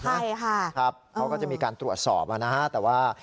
ทุกคนมีการตรวจสอบว่าน่า